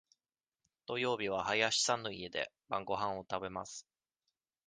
土曜日は林さんの家で晩ごはんを食べます。